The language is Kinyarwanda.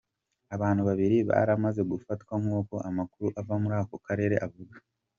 Abantu babiri baramaze gufatwa nkuko amakuru ava muri ako karere avuga.